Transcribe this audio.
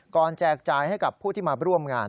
แจกจ่ายให้กับผู้ที่มาร่วมงาน